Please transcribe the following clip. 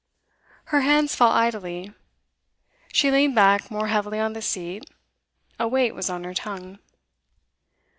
Her hands fell idly; she leaned back more heavily on the seat; a weight was on her tongue.